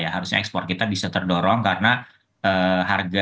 harusnya ekspor kita bisa terdorong karena harga